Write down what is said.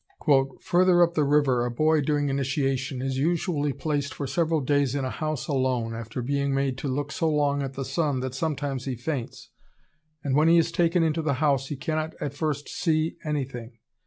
"Further up the river, a boy during initiation is usually placed for several days in a house alone, after being made to look so long at the sun that sometimes he faints, and when he is taken into the house he cannot at first see anything.